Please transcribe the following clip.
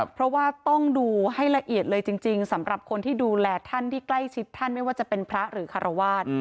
เพราะว่าต้องดูให้ละเอียดเลยจริงสำหรับคนที่ดูแลท่านที่ใกล้ชิดท่านไม่ว่าจะเป็นพระหรือคารวาส